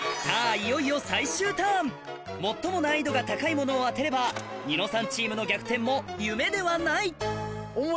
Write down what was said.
いよいよ最終ターン最も難易度が高いものを当てれば『ニノさん』チームの逆転も夢ではない！